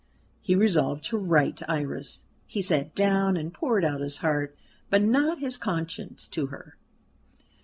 He resolved to write to Iris: he sat down and poured out his heart, but not his conscience, to her.